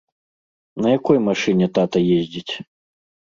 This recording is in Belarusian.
На якой машыне тата ездзіць?